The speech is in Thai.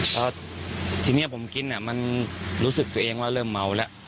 เพราะที่เนี่ยผมกินเนี่ยมันรู้สึกตัวเองว่าเริ่มเมาแล้ว